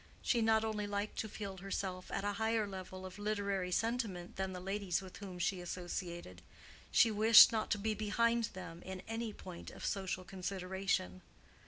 She not only liked to feel herself at a higher level of literary sentiment than the ladies with whom she associated; she wished not to be behind them in any point of social consideration.